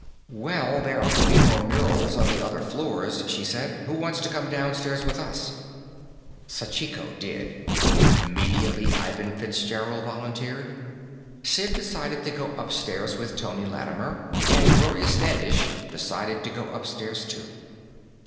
"Well, there ought to be more murals on the other floors," she said. "Who wants to come downstairs with us?" Sachiko did; immediately. Ivan Fitzgerald volunteered. Sid decided to go upstairs with Tony Lattimer, and Gloria Standish decided to go upstairs, too.